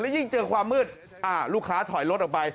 ยิ่งเจอความมืดลูกค้าถอยรถออกไป